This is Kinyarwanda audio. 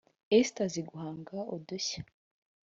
Esther azi guhanga udushya